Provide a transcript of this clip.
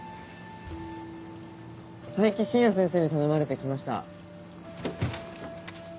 冴木真也先生に頼まれて来ました。